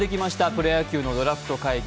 プロ野球のドラフト会議。